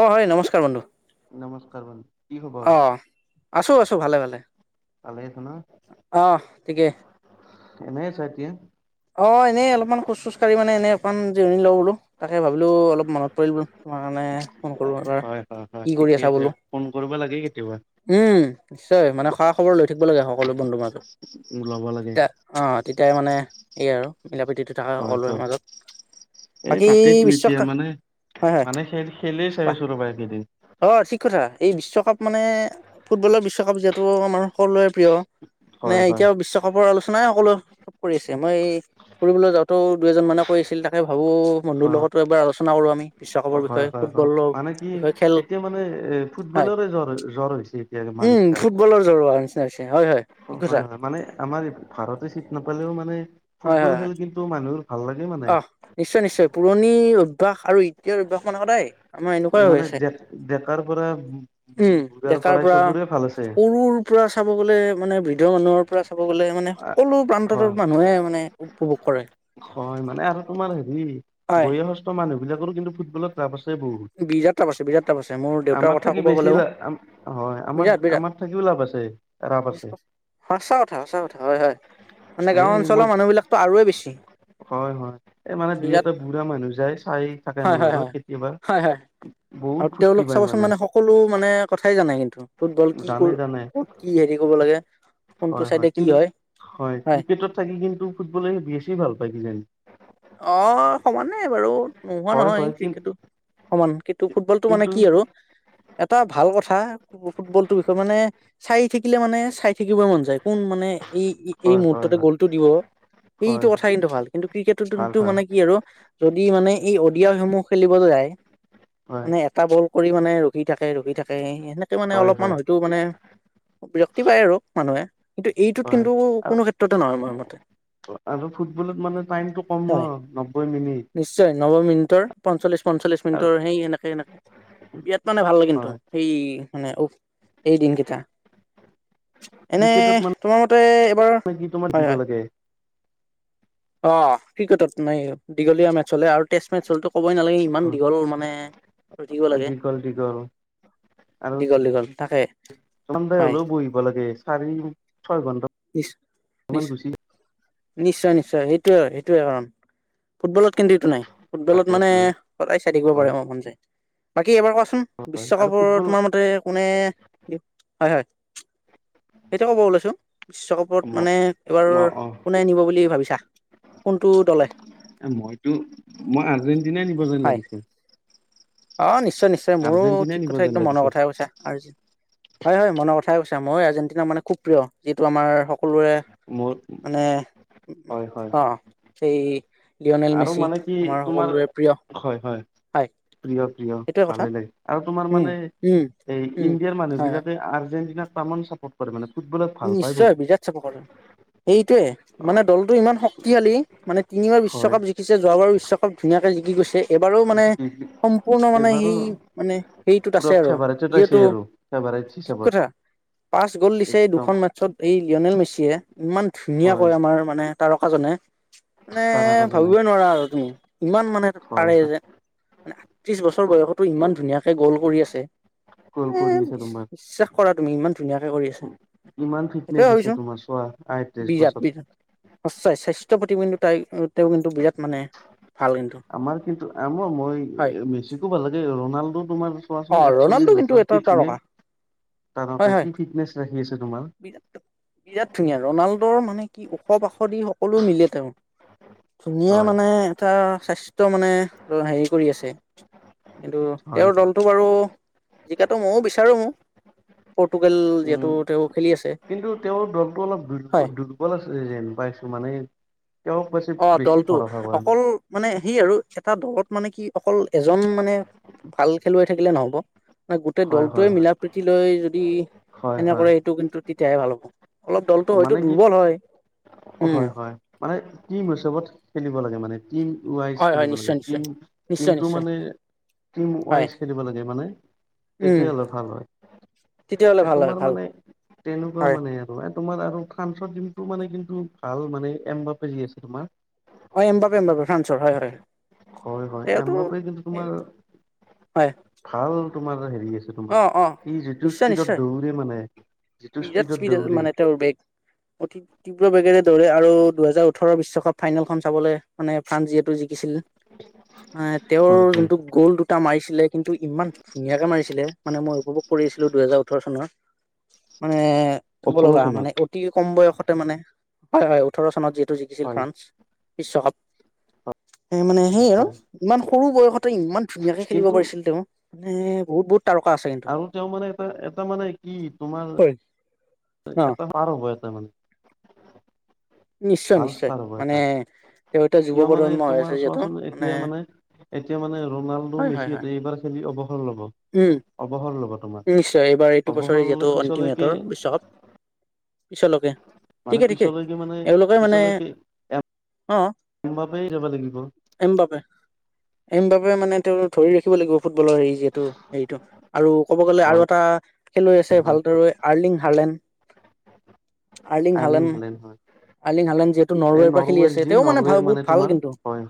অ হয় নমস্কাৰ বন্ধু কৰ অ আছো আছো ভালে ভালে ভালে আছা ন? অ ঠিকে কেনে চাইড দিয়া অ এনেই অলপমান খোজ চোজ কাঢ়ি মানে এনে অকমান জিৰণি লওঁ বোলো। তাকে ভাবিলো অলপ মনত পৰিল বোলো। তোমাৰ কাৰণে ফোন কৰো এবাৰ, হয় হয় হয় কি কৰি ঠিকে আছা আছে, বোলো? ফোন কৰিব লাগে কেতিয়াবা, উম নিশ্চয় মানে খা খবৰ লৈ থাকিব লাগে, সকলো বন্ধুৰ মাজত ওলাব লাগে। তেতিয়াই মানে এই আৰু মিলা প্ৰীতিটো থাকে হয় সকলোৰে হয় মাজত এই বাকী তাতেতো এতিয়া বিশ্বকাপ মানে হয় হয় মানে খেলেই কোৱা চাইিছো ৰবা এইকেইদিন অঁ ঠিক কথা এই বিশ্বকাপ মানে ফুটবলৰ বিশ্বকাপ যিহেতু আমাৰ সকলোৰে প্ৰিয়। মানে হয় হয়, এতিয়াও বিশ্বকাপৰ আলোচ- নাই সকলো চব কৰি আছ- তেতিয়া মই ফুৰিবলৈ যাওঁতেও দুই এজনমানে কৈ আছিল তাকে ভাবোঁ বন্ধুৰ অ লগতো এবাৰ আলোচনা কৰোঁ আমি। বিশ্বকাপৰ হয় বিষয়ে হয় হয় ফুটবলৰ মানে কি বিষয়ে খেল এতিয়া মানে এ হয় ফুটবলৰে জ্বৰ জ্বৰ হৈছে এতিয়া উম মানুহ যাৰ ফুটবলৰ জৰুৱা নিচিনা হৈছে হয় হয় অ ঠিক কথা হয় হয় মানে আমাৰ ভাৰতে চিট নাপালেও মানে হয় ফুটবল হয় খেল হয় কিন্তু মান- [unintelligible] অহ নিশ্চয় নিশ্চয় পুৰণ পুৰণিৰ অভ্যাস আৰু এতিয়াৰ অভ্যাস মানে সদায় আমাৰ এনেকুৱাই মানে হৈ আছে ডেকাৰ পৰা উম বুঢ়াৰ ডেকাৰ পৰাই পৰা চবৰে ভাল আছে। সৰুৰ পৰা চাব গলে মানে বি- দৃঢ় মনৰ পৰা চাব গ'লে মানে সকলো প্ৰান্তত হয় মানুহে মানে উপভোগ কৰে। হয় মানে আৰু তোমাৰ সি হয় বয়সস্থ মানুহ বিলাকৰ কিন্তু ফুটবলত ৰাৱ আছ- বিৰাট ৰাৱ আছে বিৰাট ৰাৱ আছে মোৰ দেউতাৰ আমাৰ কথা থাকি কব বেছি গলেও লা হয় আমাৰ বিৰাট আমাৰ থাকিও লাভ আছে ৰাপ বিৰাট আছে। সঁচা কথা সঁচা কথা। হয় হয় মানে এই গাও মই অঞ্চলৰ মানুহ বিলাকতো আৰুৱেই বেছি। হয় হয় এই মানে দুই বিৰাট এটা বুঢ়া মানুহ যায় চাই থাকে হয় আমাৰ হয় লগত হয় কেতিয়াবা। হয় হয় বহুত আৰু ফূৰ্তি তেওঁলোক পায় চাবচোন মানে সকলো মানে কথাই জানে কিন্তু ফুটবল কি ক জানে জানে ক'ত কি হেৰি কৰিব লাগে। কোনটো হয় চাইডে হয় কি কিন্তু হয় ক্ৰিকেটত থাকি কিন্তু ফুটবলে বেছি ভাল পায় কিজানি। অ সমানেই বাৰু নোহোৱা হয় নহয় হয় কি ক্ৰিকেটো সমান ত ফুটবলটো মানে কিন্তু কি আৰু এটা ভাল কথা ফুটবলটোৰ বিষয়ে মানে চাই থাকিলে মানে চাই থাকিবই মন যায়। কোন মানে এই এই হয় হয় মুহূৰ্ততে হয় গ'লটো দিব সেইটো হয় কথা হয় কিন্তু ভাল কিন্তু ক্ৰিকেট টোন ভাল টো ভাল মানে কি আৰু যদি মানে এই অডিয়াসমূহ খেলিব যায় হয় মানে এটা বল পৰিাণে ৰোগি থাকে ৰোগি থাকে সেনেকে মানে হয় অলপমান হয় হয়তো মানে বিৰক্তি পায় আৰু মানুহে কিন্তু এইটোত হয়। কিন্তু আৰু কোনো ক্ষেত্ৰতে নহয় ময় মতে আৰু ফুটবলত মানে টাইমটো কম ন হয় নব্বৈ মিনিট নিশ্চয় নব মিনিটৰ পঞ্চল্লিশ পঞ্চল্লিশ আৰু মিনিটৰ সেই সনেকে সেনেকে বিয়ট মানে ভাল কিন্তু হয় সেই- মানে এইদিনকেইটা- এনে ক্ৰিকেটত মানে তোমাৰ মতে এবাৰ কি তোমাৰ হয় দিব হয় লাগে অ ক্ৰিকেটত নাই দীঘলীয়া মেট হলে আৰু টেষ্ট মেট- হল ক'বই নালাগে ইমান দীঘল মানে ৰখিব লাগে দীঘল দীঘল দীঘল দীঘল- থাকে চন্দাই হলেও বহিব লাগে চাৰি ছয় নিশ ঘন্টামান নিশ গুচি- নিশ্চয় নিশ্চয়- নিশ্চয় সেইটোয়ে সেইটোয়ে কাৰণ ফুটবলত- কিন্তু এইটো নাই ফুটবলত মানে তাকেইটোৱে সদায় চাই থাকিব হয় পাৰে ম মন যায়- বাকী এবাৰ কথা- চোন হয় আৰু বিশ্বকাপৰ ফুটবল তোমাৰ মতে কোনে দিওঁ হয় হয়- সেইটো কব ওলাইছো বিশ্বকাপত ম মানে এইবাৰ অ কোনে নিব বুলি ভাবিছা- কোনটো দলে এ মইতো মই আৰ্জেণ্টিনাই নিব যেন হয় লাগিছিল- অ নিশ্চয়- নিশ্চয় নিশ্চয় মোৰো ঠিক কথা একদম মনৰ লাগিছে কথাই কৈছা আৰু- হয় হয় মনৰ কথাই কৈছা মই আৰ্জেটিনা মানে খুব প্ৰিয় যিটো আমাৰ- সকলোৰে মোৰ মানে- হয় হয় অ- সেই- লিঅ'নেল আৰু মেচি মানে কি আমাৰ তোমাৰ সকলোৰে প্ৰিয় হয় হয়। হয়। [inaudible] প্ৰিয় সেইটোৱে কথা ভালে লাগে আৰু তোমাৰ উম, মানে উম, এই উম, ইণ্ডিয়াৰ মানুহ হয়, হয়। বিলাকে আৰ্জেন্টিনা। চাপৰ্ট কৰে মানে- ফুটবলত ভাল পায় নিশ্চয় বহুত বিৰাট চাপ সেইটোৱে অ মানে দলটো ইমান শক্তিশালী মানে তিনিবাৰ হয় বিশ্বকাপ জিক জিকিছে যোৱা বাৰু বিশ্বকাপ চব ধুনীয়াকে জিকি গৈছে। এইবাৰো মানে, সম্পূৰ্ণ মানে এইবাৰো সেই মানে হেৰিটোত আছে পুৰা আৰু। ফেভাৰেটত আছে যিহেতু আৰু ফেভাৰেট ঠিক হিচাপত কথা, পাঁচ গল দিছে। একদম এখন মেচত এই লিঅ'নেল মেচিয়ে ইমান হয় ধুনীয়াকৈ আমাৰ মানে তাৰকাজনে মানে তাৰকাজনে ভাবিবই নোৱাৰা আৰু তুমি! ইমান মানে হয় পাৰে হয় যে, মানে ত্ৰিশবছৰ বয়সত টো ইমান ধুনীয়াকৈ গ'ল কৰি আছে। গ'ল এ কৰি আছে তোমাৰ বিশ্বাস কৰা তুমি, ইমান ধুনীয়াকে কৰি আছে। ইমান ফিটনেচ সেইটোয়ে আছে ভাবিছো। তোমাৰ চোৱা আয়ত্ৰিশ বিৰাট, বছৰত বিৰাট। সঁচাই, স্বাস্থ্যৰ প্ৰতি কিন্তু তাই কিন্তু বিৰাট মানে ভাল কিন্তু আমাৰ কিন্তু, আমাৰ, হয় মই মেচিকো ভাল লাগে। ৰনাল্ডো তোমাৰ। চোৱাচোন অ' একচল্লিশ ৰনাল্ডো কিন্তু বছৰ এটা কি ধুনীয়া তাৰকা, তাৰকা হয় হয়। কি ফিটনেচ ৰাখি আছে তোমাৰ বিৰাট বিৰাট ধুনীয়া, ৰনাল্ডৰ মানে কি? ওখ-পাখ দি সকলো মিলে তেওঁ। ধুনীয়া হয় মানে এটা। স্বাস্থ্য মানে, হেৰি কৰি আছে। কিন্তু হয় তেওঁৰ দল হয় আৰু জিকাতো ময়ো বিচাৰো। পৰ্তুগাল যিহেতু উম, তেওঁ খেলি আছে কিন্তু তেওঁৰ দলটো অলপ হয় দুৰ-দুৰ্বল আছে যেন পাইছো মানে। তেওঁক বেছি অ' বেছি দলটো, ভৰসা কৰে অকল মানে সেই আৰু এটা দলত মানে কি অকল এজন মানে ভাল খেলুৱৈ থাকিলে নহ'ব। গোটেই হয় দলটোৱে হয় হয় মিলা-প্ৰীতিলৈ যদি হয় এনে কৰ, হয় সেইটো কিন্তু তেতিয়াহে ভাল হ'ব। অলপ দলটো হয়তো মানে কি দুৰ্বল হয়। উম হয় হয় মানে টিম হিচাপত খেলিব লাগে মানে, টিমৱাইজ হয় হয় খেলিব লাগে, নিশ্চয় নিশ্চয় নিশ্চয় টিম-টিমটো নিশ্চয় মানে হয় টিমৱাইজ খেলিব লাগে মানে। উম তেতিয়হ'লে ভাল হয়। তেতিয়াহ'লে এ ভাল হয় তোমাৰ ভাল মানে তেনেকুৱা হয় মানে, আৰু তোমাৰ আৰু ফ্ৰান্সৰ টিমটো মানে কিন্তু ভাল মানে এম্বাপে যি আছে তোমাৰ। অ' এমপাবে এমপাবে ফ্ৰান্সৰ, হয় হয়। হয় হয়। তেওঁতো এমপাবে কিন্তু তোমাৰ, হয় ভাল। তোমাৰ হেৰ সি আছে অ তোমাৰ, অ সি যিটো নিশ্চয় স্পীডত নিশ্চয় দৌৰে মানে, যিটো বিৰাট স্পীডত স্পীড দৌৰে! মানে তেওঁৰ বেগ অতি তীব্ৰ বেগেৰে দৰে আৰু দুহেজাৰ ওঠৰৰ বিশ্বকাপ ফাইনেলখন চাবলৈ মানে ফ্ৰান্স যিহেতু জিকিছিল। এ তেওঁৰ হয় হয় যোনটো গ'ল দুটা মাৰিছিল। কিন্তু ইমান ধুনীয়াকে মাৰিছিলে। মই উপভোগ কৰিছিলো দুহেজাৰ ওঠৰ চনৰ মানে। ক'ব ওঠৰ লগা চনত মানে অতি কম বয়সতে মানে। হয় হয় ওঠৰ চনত যিহেতু জিকিছিল হয় ফ্ৰান্স। বিশ্বকাপ। এ মানে সেই আৰু ইমান। সৰু বয়সত। ইমান ধুনীয়াকে খেলিব কিন্তু পাৰিছিল তেওঁ। মানে বহুত- বহুত। তাৰকা আছে কিন্তু আৰু তেওঁ মানে এটা এটা মানে কি তোমাৰ। হয় এ ন এটা [unintelligible] কেটামান। নিশ্চয় ভাল নিশ্চয় ষ্টাৰ হব মানে এটা তেওঁ এতিয়া যুৱ কিয় মানে প্ৰজন্ম হৈ আছে তোমাৰ যিহেতু চোৱাচোন এতিয়া মানে এতিয়া মানে ৰনাল্ডো হয় হয় মেচি হয় এতিয়া এইবাৰ খেলি অৱ। উম নিশ্চয় এইবাৰ এইটো অৱসৰ বছৰে ললে যিহেতু পিছলৈকে অন্তিমহটৰ বিশ্বকাপ। পিছলৈকে। মানে ঠিকে ঠিকে পিছলৈকে মানে এওঁলোকে মানে পিছলৈকে। অ অম্বাপেই যাব লাগিব। এইমবাবে মানে তেওঁ ধৰি ৰাখিব লাগিব ফুটবলৰ হেৰি যে। হেৰিটো আৰু ক'ব গ'লে হয় আৰু এটা খেলুৱৈ আছে হয় ভালদৰে আৰ্লিং হাৰ্লেন। আৰ্লিং হালেন আইলিন হয় আৰ্লিং হালেন যিহেতু এই নৰৱেৰ পৰা খেলি আছে যি তেওঁ মানে নৰৱেৰ বহুত ভাল তোমাৰ কিন্তু হয়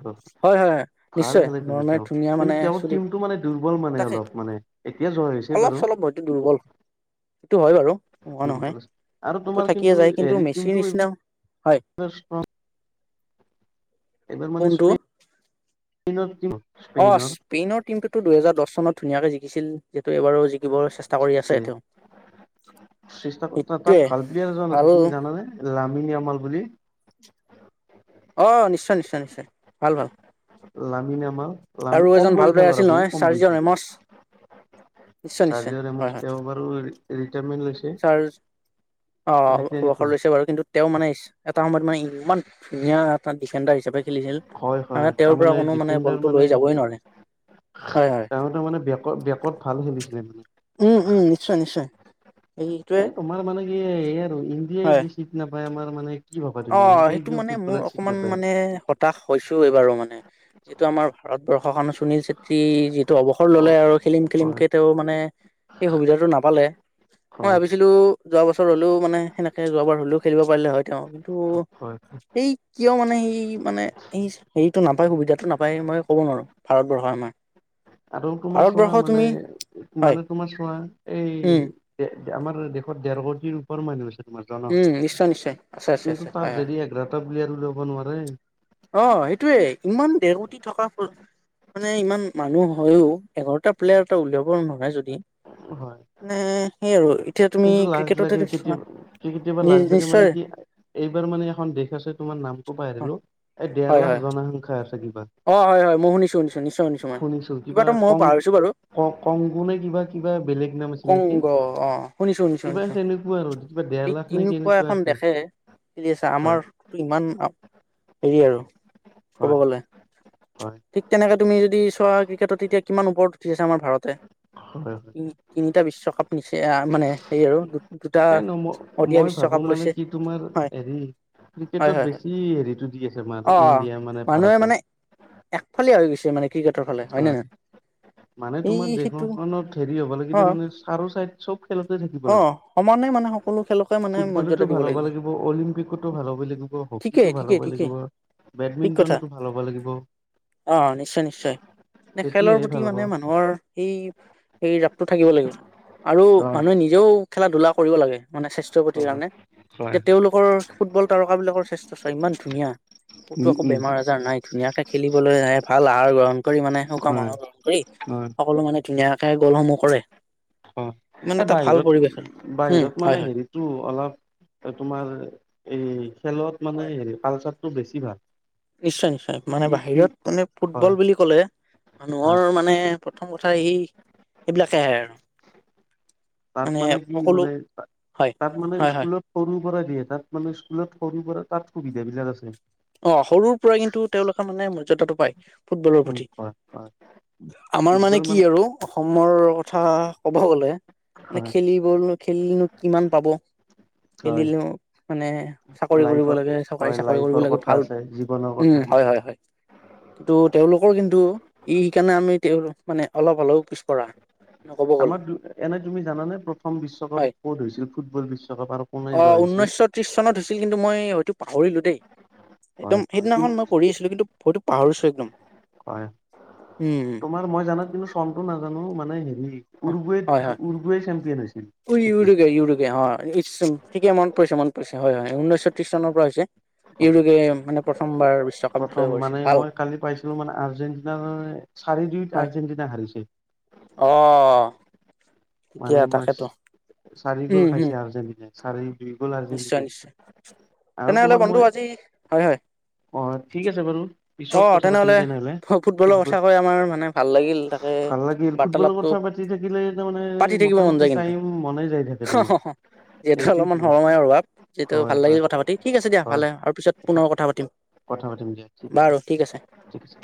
হয় হয় ভাল নিশ্চয় খেলে কিন্তু নৰৱে তেওঁ ধুনীয়া কিন্তু মানে তেওঁৰ চুলি টিমটো মানে দুৰ্বল মানে তাকে। অলপ মানে এতিয়া যোৱা হৈছে অলপ বাৰু। চলপ হয়তো দুৰ্বল সেইটো হয় বাৰু নোহোৱা নহয় দুৰ্বল আছে আৰু সেটো তোমাৰ থাকিয়ে যায় কিন্তু হেৰি মেচি টিমটো নিচিনা হয়। একবাৰ মানে কোনটো স্পে ইনত কিন্তু। অ স্পেইনৰ টিম টোতো দুহেজাৰ দহ। পশ্নত ধুনীয়াকৈ জিকিছিল। যিহেটো এইবাৰো জিকিব চেষ্টা কৰি জিকিছে আছে তেওঁ চেষ্টা তাত সেইটোৱে ভাল প্লেয়াৰ এজন আছে ভাল। তুমি জানানে লামিনী আমাল বুলি। অ নিশ্চয়- নিশ্চয় -নিশ্চয় ভাল- ভাল। লামিন আমাল লামি আৰু কম এজন ভাল বয়সীয়া প্লেয়াৰ ল'ৰা আছিল বহুত নহয় কম চাৰিজন বয়সীয়া ৰেমচ নিশ্চয় -নিশ্চয় চাৰ্জিঅ ৰেমচ হয়- হয় তেওঁ বাৰু ৰিটায়াৰমেন্ট লৈছে চাৰ অ অৱসৰ লৈছে বাৰু কিন্তু তেওঁ মানে এটা সময়ত মানে ইমান। চেন্টাৰ হিচাপে খেলিছিল হয় হয় মানে তেওঁৰ পৰা তাৰমানে কোনো ডিফেণ্ডাৰ বলটো মানে লৈ যাবই নোৱাৰে হয় হয় ত তাৰ মানে বেকত বেকত ভাল খেলিছিলে মানে উম উম নিশ্চয় নিশ্চয় সেইটোৱে এই তোমাৰ মানে কি এই আৰু ইণ্ডিয়ে হয় য নাপ আমাৰ মানে কি ভাবা অ তুমি ইণ্ডিয়াই সেইটো কিয় মানে মোৰ ফুটবলত চিট অকমান নাপায়? মানে হতাশ হৈছো এইবাৰু মানে যিটো আমাৰ ভাৰতবৰ্ষ কাৰ সুনীল চেত্ৰী যিহেতটো অৱসৰ ললে আৰু খেলিম হয় খেলিমকে তেওঁ মানে সেই সুবিধাটো নাপালে। মই হয় ভাবিছিলো যোৱা বছৰ হলেও মানে সেনেকে যোৱাবাৰ হলও খেলিব পাৰিলে হয় তেওঁ ত' হয় এই কিয় মানে স কি মানে হেৰিতটো নাপায় সুবিধাতটো নাপায় মই ক'ব নোৱাৰো ভাৰতবৰ্ষই আমাৰ আদৌ তুমাৰ চোৱা ভাৰতবৰ্ষ মানে তুমি হয় মানে তোমাৰ চোৱা উম এই আমাৰ দেশত ডেৰ কোটিৰ ওপৰ মানুহ আছে তোমাৰ উম জনসংখ্যা নিশ্চয় নিশ্চয় আছে আছে কিন্তু আ তাত হয় হয় যদি এঘাৰটা প্লেয়াৰ ওলিয়াব নোৱাৰে আহ সেইটোৱেই ইমান ডেৰ কোটি থকা মানে ইমান মানুহ হৈও এঘাৰটা প্লেয়াৰ এটা উলিয়াব নোৱাৰে যদি হয় মানে সেইয় আৰু এতিয়া তুমি ক্ৰিকেটতে দেখিছা কি কেতিয়াবা লাগ লাগে মানে কি এইবাৰ মানে এখন দেশ আছে তোমাৰ নাম পাই দিলো এই ডেৰ হয় লাখ হয় জনসংখ্যা আছে কি অ হয় হয় মই শুনিছো শুনিছো নিশ্চয় শুনিছো মই কিবা এটা মই পাহৰিছো বাৰু ক কংগু নে কিবা কিবা বেলেগ নাম আছিল নেকি? কংগ অ শুনিছ। শুনিছোঁ কিবা শুনিছোঁ তেনেকুৱা আৰু কিবা ডেৰ এই লাখ নে তেনেকুৱা কেনেকুৱা এখন আছে। দেশে কি আছে হয় আমাৰো ইমান হেৰি আৰু ক'ব হয় গ'লে হয় ঠিক তেনেক তুমি তুমি যদি চোৱা ক্ৰিকেটত তেতিয়া কিমান ওপৰত উঠি আছে আমাৰ ভাৰতে হয় হয় তিনিটা বিশ্ব পিচে মানে সেৰী আৰু দু এই ন ম মই ভাবো মানে কি তোমাৰ হয় হেৰি হয় ক্ৰিকেটত হয় হয় বেছি হেৰিটো দি আছে তোমাৰ ইণ্ডিয়া মানে ভাৰতত একফালে হৈ গৈছে মানে ক্ৰিকেটৰ ফালে নে হয় নহয় মানে তোমাৰ এই সিটো দেশখনত হেৰি হ'ব লাগিলে অ মানে চাৰ চাইদ চব খেলতে থাকিব অ সমানে মানে লাগিব সকলো খেলকে মানে ফুটবলতো মৰ্যদা দিব ভাল হ'ব লাগিব অলিম্পিকতো ভাল হ'ব লাগিব হকীতো ঠিকেই ভাল হ'ব ঠিকেই ঠিকেই লাগিব ঠিক কথা বেডমিন্টনতো ভাল হ'ব লাগ অ নিশ্চয় নিশ্চয় খেলৰ তেতিয়াহে প্ৰতি ভাল হ'ব মানে মানুহৰ সেই এ জাপটো থাকিব লাগিব। আৰু হয়। মানুহে নিজেও খেলা ধূলা কৰিব লাগে। মানে সদস্যপ্ৰতি হয় কাৰণে হয় এতিয়া তেওঁলোকৰ ফুটবল তাৰ কটকা বিলাকৰ স্বাস্থ্য চা ইমান ধুনীয়া। ক'তো উম একো উম বেমাৰ আজাৰ নাই। খেলিবলৈ আহে ভাল আহাৰ গ্ৰহণ। কৰি মানে শুুকাম হয় মানৰ গণ কৰি সকলো মানে ধুনীয়া। খাই গ'লসমূহ কৰে। ইমান অ' এ এটা ভাল বাহিৰত পৰিৱেশ আৰু উম বাহিৰত হয় মানে হয় হেৰিতটো অলপ তোমাৰ এই খেলত মানে হয় হেৰি পালচাত টো বেছি ভাল। নিশ্চয় নিশ্চয় মানে ই ই বাহিৰত মানে হয় ফুটবল বুলি ক'লে হয় মানুহৰ মানে প্ৰথম কথা ই এইবিলাকে আহে আৰু তাত মানে কি মানে হয় তাত মানে হয় হয় স্কুলত সৰু পৰা দিয়ে তাত মানে স্কুলত সৰু পৰা তাত সুবিধা বিলাক আছে। অ' সৰুৰ পৰাই কিন্তু তেওঁলোকে মানে মৰ্যদাটো পায় ফুটবলৰ উম প্ৰতি। হয় হয় আমাৰ মানে কি আৰু অসমৰ কথা ক'ব গ'লে মানে হয় খেলিবল খেলিনো কিমান পাব। হয় খেলিলো। মানে চাকৰি কৰিব লাইফৰ লাগে চৰকাৰী হয় চাকৰি কৰিব লাইফৰ লাগে। কথা ভাল আছে জীৱনৰ উম কথা হয় হয় হয় কিন্তু তেওঁলোকৰ কিন্তু ই সেই কাৰণে আমি তেওঁ মানে অলপ হলেও পিছ পৰা হয়। আমাৰ এনেই তুমি জানানে প্ৰথম বিশ্বকাপ হয় ক'ত হৈছিল ফুটবল বিশ্বকাপ আৰু কোনে অ জয় হৈছিল। ঊনৈছশ ত্ৰিশ চনত হৈছিল কিন্তু মই হয়তো পাহৰিলো দেই। একদম হয় হয় কি সেইদিনাখন মই কৰি আছিলো কিন্তু হয়তো পাহৰিছো একদম হয় হম হ জানো মানে হেৰি উৰুগুৱেত হয় হয় উৰুগুৱে চেম্পিয়ন হৈছিল। উ ইউৰুোগে ইউৰুোগে হয় ঠিকে মন পৰিছে মন পৰিছে হয় হয় উনৈশ হয় মানে প্ৰথমবাৰ বিশ্বকাপ জয় প্ৰথম কৰিছিল মানে ভাল মই কালি পাইছিলো মানে আৰ্জেন্টিনাৰ চাৰি দুইত আৰ্জেন্টিনা হাৰিছে। অহ মানে মই চাৰি গল উম হম খাইছে আৰ্জেণ্টিনাই চাৰি বি নিশ্চয় নিশ্চয় [unintelligible] আৰু তেনেহ'লে তোমাৰ বন্ধু মই, আজি হয় হয় অ ঠিক আছে বাৰু অ পিছত কথা পাতিম তেনেহলে ফু-ফুটবলৰ ফুটবল কথা কৈ আমাৰ মানে ভাল লাগিল তাকে ভাল লাগিল ফুটবলৰ বাৰ্তালাপটো। কথা পাতি থাকিলে তাৰমানে পাতি থাকিব মন মোটামুটি যায় কিন্তু। টাইম মনে যাই থাকে হ তোমাৰ হ হ। যিহেতু এইটোৱেতো অলপমান সময়ৰ অভাৱ। কিন্তু হয় ভাল হয় লাগিল কথা পাতি। ঠিক আছে দিয়া হয় ভালে আৰু পিছত পুনৰ কথা পাতিম। কথা পাতিম দিয়া ঠিক বাৰু ঠিক আছে। ঠিক আছে